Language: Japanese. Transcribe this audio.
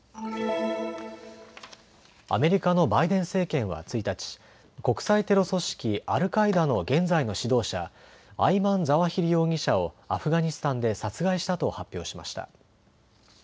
アメリカのバイデン政権は１日、国際テロ組織アルカイダの現在の指導者、アイマン・ザワヒリ容疑者をアフガニスタンで殺害したと発表しました。